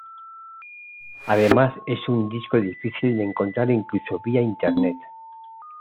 Además es un disco difícil de encontrar incluso vía internet.